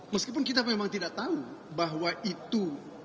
meskipun kita memang tidak tahu bahwa itu